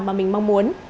mà mình mong muốn